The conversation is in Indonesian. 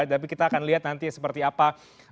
tapi kita akan lihat nanti seperti apa